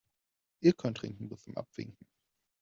Ihr könnt trinken bis zum Abwinken.